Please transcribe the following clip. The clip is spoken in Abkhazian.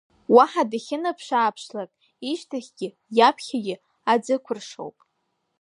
Уаҳа дахьынаԥш-ааԥшлак, ишьҭахьгьы иаԥхьагьы аӡықәыршоуп.